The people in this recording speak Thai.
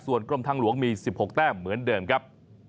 ส่วนกรมทางหลวงมี๑๖แต้มเหมือนเดิมครับ